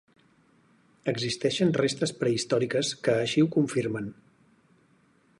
Existeixen restes prehistòriques que així ho confirmen.